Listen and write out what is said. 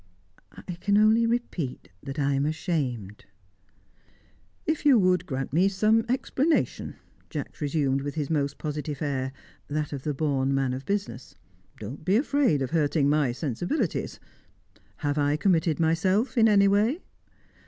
"I can only repeat that I am ashamed." "If you would grant me some explanation," Jacks resumed, with his most positive air, that of the born man of business. "Don't be afraid of hurting my sensibilities. Have I committed myself in any way?"